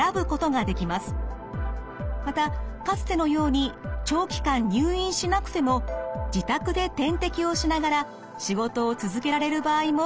またかつてのように長期間入院しなくても自宅で点滴をしながら仕事を続けられる場合も増えてきました。